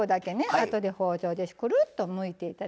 あとで包丁でくるっとむいていただきます。